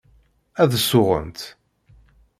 Ad suɣent.